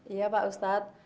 iya pak ustadz